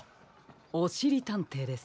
おしりたんていです。